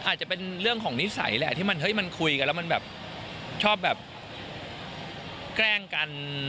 อาจจะเป็นเรื่องของนิสัยแหละที่มันเฮ้ยมันคุยกันแล้วมันแบบชอบแบบแกล้งกัน